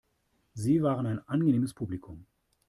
Sie waren ein angenehmes Publikum.